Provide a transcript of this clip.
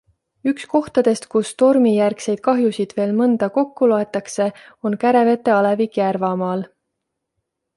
Üks kohtadest, kus tormijärgseid kahjusid veel mõnda kokku loetakse, on Käravete alevik Järvamaal.